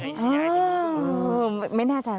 เออไม่แน่ใจ